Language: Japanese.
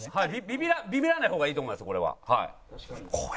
ビビらない方がいいと思いますよ